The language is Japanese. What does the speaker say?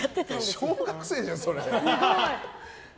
小学生じゃん、それ。